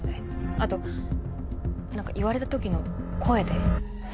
あと何か言われた時の声で。